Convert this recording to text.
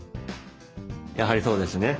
やはりそうですね。